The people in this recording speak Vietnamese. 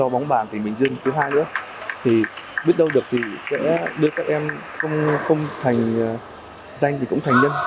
bóng bàn tỉnh bình dương thứ hai nữa thì biết đâu được thì sẽ đưa các em không thành danh thì cũng thành nhân